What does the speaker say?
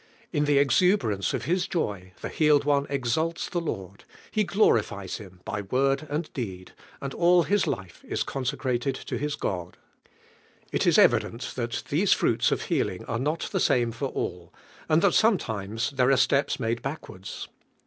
In I lie exuberance of liis joy Ike healed one exalts the Lord, he glorifies Him by word and deed, and all his life is consecrated to his God. It is evident Hint these fruits of heal ing are not the same for nil, and mat sometimes then; are steps made back lUVINE I1CAI.1N1J. «!> wards.